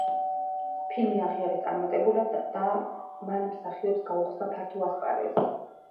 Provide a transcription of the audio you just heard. ფილმი აღიარეს წარმატებულად და მან მსახიობს გაუხსნა ფართო ასპარეზი.